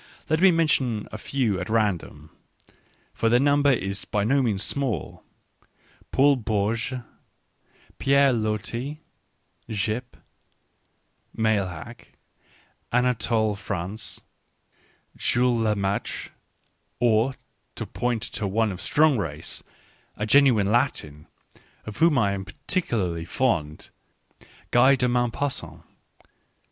Let me mention a few at random — for their number is by no means small — Paul Bourget, Pierre Loti,V Gyp, Meilhac, Anatole France, Jules Lemaitre ; or, to point to one of strong race, a genuine Latin, of whom I am particularly fond, Guy de Maupassant.